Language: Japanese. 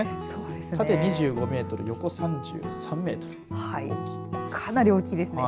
縦２５メートル横３３メートルかなり大きいですね。